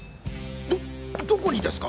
どどこにですか？